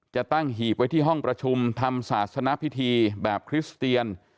จะตั้งหีบไว้ที่ห้องประชุมทำศาสนพิธีแบบคริสเตียน